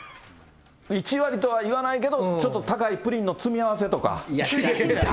１割とは言わないけれども、ちょっと高いプリンの詰め合わせとか。